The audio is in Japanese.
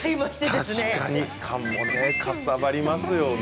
確かにかさばりますよね。